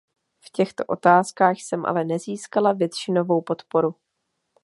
V těchto otázkách jsem ale nezískala většinovou podporu.